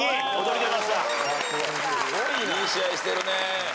いい試合してるね。